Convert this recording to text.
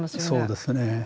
そうですね。